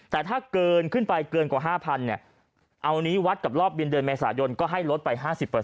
แต่ถ้าเกินขึ้นไปเกินกว่า๕๐๐เนี่ยเอานี้วัดกับรอบบินเดือนเมษายนก็ให้ลดไป๕๐